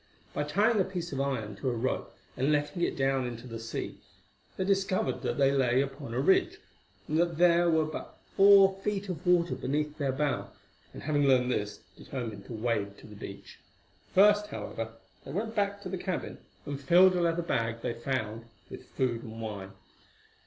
By tying a piece of iron to a rope and letting it down into the sea, they discovered that they lay upon a ridge, and that there were but four feet of water beneath their bow, and, having learned this, determined to wade to the beach. First, however, they went back to the cabin and filled a leather bag they found with food and wine.